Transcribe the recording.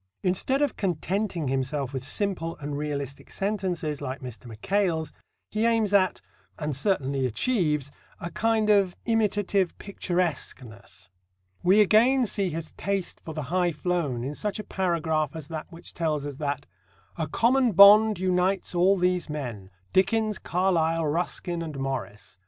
Instead of contenting himself with simple and realistic sentences like Mr. Mackail's, he aims at and certainly achieves a kind of imitative picturesqueness. We again see his taste for the high flown in such a paragraph as that which tells us that "a common bond unites all these men Dickens, Carlyle, Ruskin and Morris.